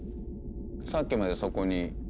さっきまでそこに。